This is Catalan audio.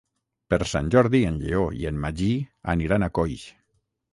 Per Sant Jordi en Lleó i en Magí aniran a Coix.